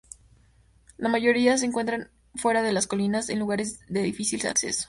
La mayoría se encuentran fuera de las colinas, en lugares de difícil acceso.